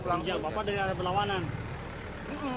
apa apa dari arah berlawanan